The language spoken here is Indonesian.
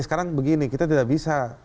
sekarang begini kita tidak bisa